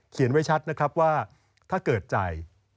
เขียนไว้ชัดนะครับว่าถ้าเกิดจ่าย